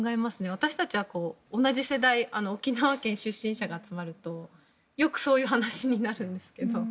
私たちは同じ世代沖縄県出身者が集まるとよくそういう話になるんですけど。